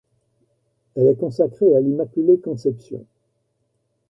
Elle est consacrée à l'Immaculée-Conception.